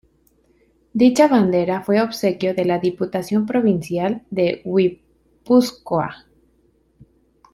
Dicha bandera fue obsequio de la Diputación Provincial de Guipúzcoa.